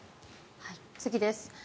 次です。